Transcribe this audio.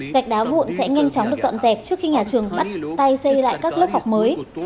gạch đá vụn sẽ nhanh chóng được dọn dẹp trước khi nhà trường bắt tay xây lại các lớp học mới